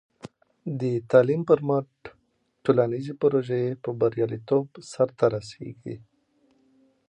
د تعلیم پر مټ، ټولنیزې پروژې په بریالیتوب سرته رسېږي.